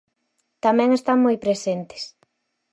Tamén están moi presentes.